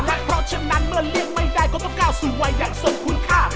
เพราะฉะนั้นเมื่อเลี่ยงไม่ได้ก็ต้องก้าวสู่วัยอย่างทรงคุณค่า